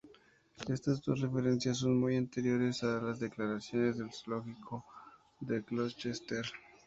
Estas dos referencias son muy anteriores a las declaraciones del zoológico de Colchester.